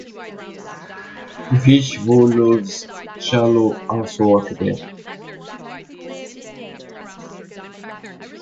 Vishesh who loves Shalu also work there.